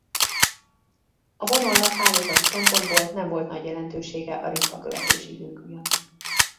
A vonalnak hálózati szempontból nem volt nagy jelentősége a ritka követési idők miatt.